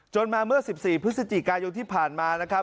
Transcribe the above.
มาเมื่อ๑๔พฤศจิกายนที่ผ่านมานะครับ